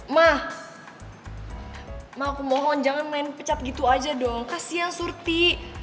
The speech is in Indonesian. ma ma aku mohon jangan main pecat gitu aja dong kasihan surti